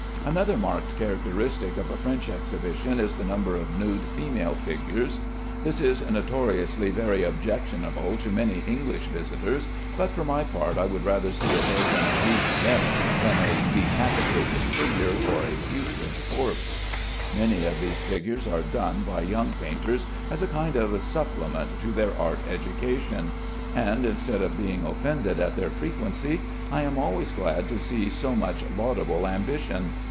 Another marked characteristic of a French exhibition is the number of nude female figures. This is notoriously very objectionable to many English visitors, but for my part I would rather see a dozen nude nymphs than a decapitated figure or a putrid corpse. Many of these figures are done by young painters as a kind of supplement to their art education; and instead of being offended at their frequency, I am always glad to see so much laudable ambition.